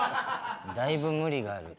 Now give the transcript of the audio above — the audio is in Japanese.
だいぶ無理がある。